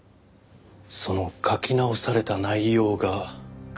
その書き直された内容が。